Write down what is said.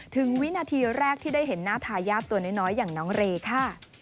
วินาทีแรกที่ได้เห็นหน้าทายาทตัวน้อยอย่างน้องเรย์ค่ะ